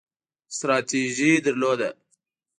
ستراتیژي درلوده